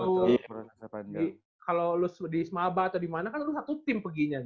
itu kan kalau lu di semaba atau dimana kan lu satu tim peginya gitu